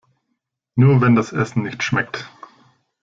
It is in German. Nur wenn das Essen nicht schmeckt.